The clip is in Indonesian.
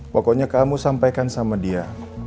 pokoknya kamu sampaikan sama dia